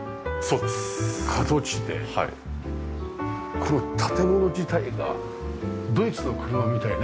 これ建物自体がドイツの車みたいね。